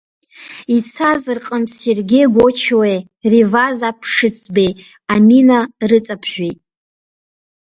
Ицаз рҟынтә Сергеи Гочуеи, Реваз Аԥшыцбеи амина рыҵаԥжәеит.